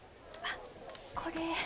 あっこれ。